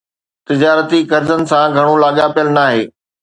تجارتي قرضن سان گهڻو لاڳاپيل ناهي